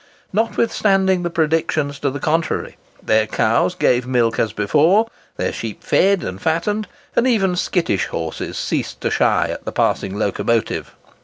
Notwithstanding the predictions to the contrary, their cows gave milk as before, their sheep fed and fattened, and even skittish horses ceased to shy at the passing locomotive.